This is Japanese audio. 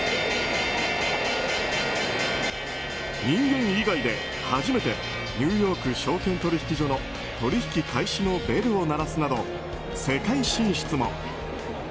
人間以外で初めてニューヨーク証券取引所の取引開始のベルを鳴らすなど世界進出も。